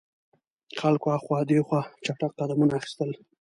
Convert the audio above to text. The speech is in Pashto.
خلکو هاخوا دیخوا چټګ قدمونه اخیستل.